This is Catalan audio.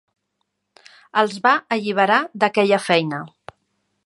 Els va alliberar d'aquella feina.